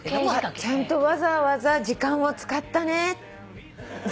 ちゃんとわざわざ時間を使ったね。